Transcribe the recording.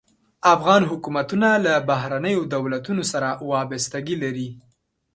افغان حکومتونه له بهرنیو دولتونو سره وابستګي لري.